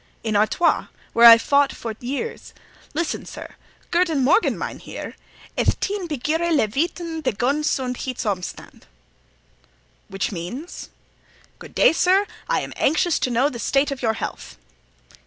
"In Artois, where I fought for years. Listen, sir. Goeden morgen, mynheer, eth teen begeeray le weeten the ge sond heets omstand." "Which means?" "Good day, sir! I am anxious to know the state of your health."